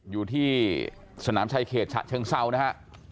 อยู่ที่สนามชายเขตฉะเชิงเซานะฮะ